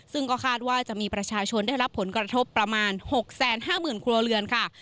ซึ่งก็คาดว่าจะมีประชาชนได้รับผลกระทบประมาณ๖๕๐๐๐ครัวเรือนค่ะ